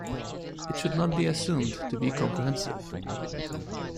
It should not be assumed to be comprehensive.